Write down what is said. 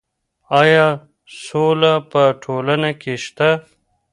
ایا سوله په ټولنه کې شته؟